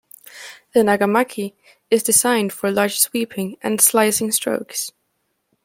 The nagamaki is designed for large sweeping and slicing strokes.